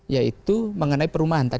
yaitu mengenai perumahan